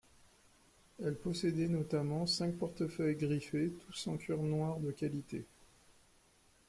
Elle possédait notamment cinq portefeuilles griffés, tous en cuir noir de qualité.